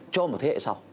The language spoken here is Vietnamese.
cho một thế hệ sau